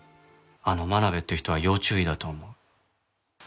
あの真鍋っていう人は要注意だと思う。